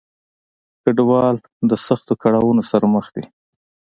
کډوال د سختو کړاونو سره مخ دي.